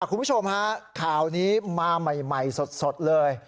คุณผู้ชมฮะข่าวนี้มาใหม่สดเลย